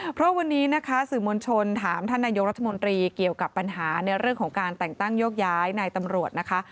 เพราะวันนี้นะคะสื่อมวลชนถามท่านนายกรัฐมนตรีเกี่ยวกับปัญหาในเรื่องของการแต่งตั้งโยกย้ายนายตำรวจนะคะ